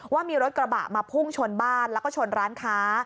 ว่ามีรถกระบะมาพุ่งชนบ้านแล้วก็ชนร้านค้า